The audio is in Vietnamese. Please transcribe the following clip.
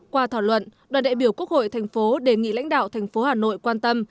qua thỏa luận đoàn đại biểu quốc hội tp đề nghị lãnh đạo tp hà nội quan tâm